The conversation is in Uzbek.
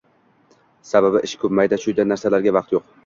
Sababi ishi ko‘p, “mayda-chuyda” narsalarga vaqti yo‘q...